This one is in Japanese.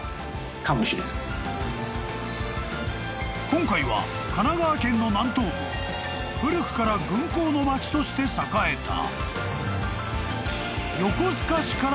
［今回は神奈川県の南東部古くから軍港の街として栄えた］